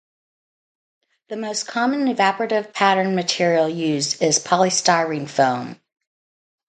The most common evaporative-pattern material used is polystyrene foam.